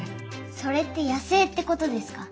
それって野生ってことですか？